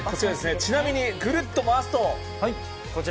ちなみにぐるっと回すとこちら。